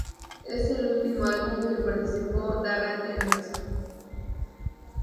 Es el último álbum en el que participó Darren Emerson.